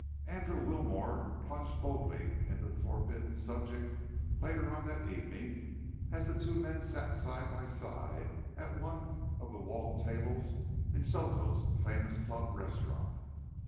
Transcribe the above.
Andrew Wilmore plunged boldly into the forbidden subject later on that evening, as the two men sat side by side at one of the wall tables in Soto's famous club restaurant.